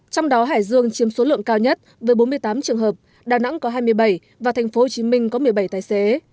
trong đó hải dương chiếm số lượng cao nhất với bốn mươi tám trường hợp đà nẵng có hai mươi bảy và tp hcm có một mươi bảy tài xế